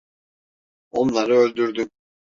Onları öldürdüm.